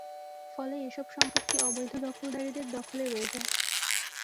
ফলে এসব সম্পত্তি অবৈধ দখলকারীদের দখলে রয়ে যায়।